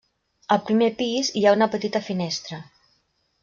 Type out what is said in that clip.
Al primer pis hi ha una petita finestra.